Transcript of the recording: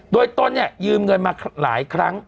โดยตนเนี่ยยืมเงินมาหลายครั้ง